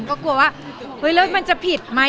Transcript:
ก็กลัวว่ามันจะผิดไหม